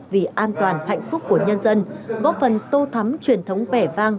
vì an toàn hạnh phúc của nhân dân góp phần tô thắm truyền thống vẻ vang